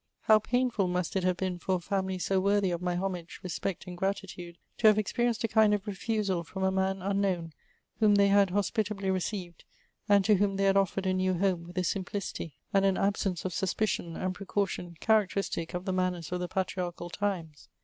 How painful must it have been for a family so worthy of my homage, respect, and gratitude, to have experienced a kind of refusal from a man unknown, whom they had hospitably re ceived, and to whom they had offered a new home with a sim plidty and an absence of suspicion and precaution charac teristic of the manners of the patriarchal times